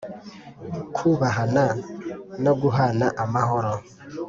Kubahana no guhana amahoro